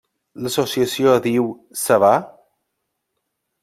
L'associació Adiu, Ça Va?